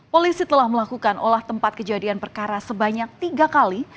polisi telah melakukan olah tempat kejadian perkara sebanyak tiga kali